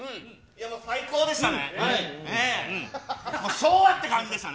最高でしたね。